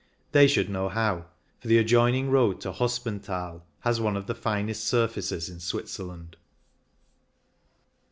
They should know how, for the adjoining road to Hospenthal has one of the finest surfaces in Switzerland.